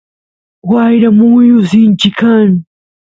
wayra muyu sinchi kan